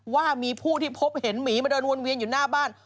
ว่ามีผู้ที่พบเห็นหมีมาเดินวนเวียนอยู่หน้าบ้าน